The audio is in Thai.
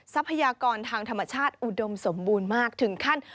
ทรัพยากรทางธรรมชาติอุดมสมบูรณ์มากถึงขั้น